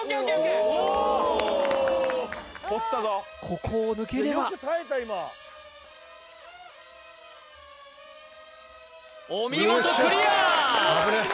ここを抜ければお見事クリア！